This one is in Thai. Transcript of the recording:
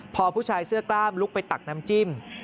พอผู้ชายเสื้อกล้ามลุกไปตักน้ำจิ้ม